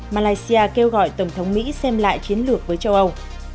malaysia kêu gọi tổng thống mỹ xem lại chiến lược với châu âu